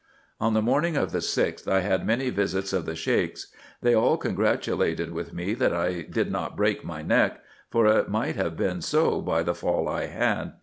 On the morning of the 6th, I had many visits of the Sheiks. They all congratulated with me that I did not break my neck, for it might have been so by the fall I had.